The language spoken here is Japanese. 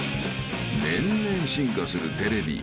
［年々進化するテレビ。